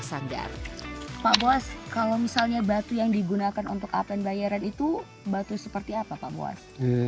sadar pak buas kalau misalnya batu yang digunakan untuk apen bayaran itu batu seperti apa pak bos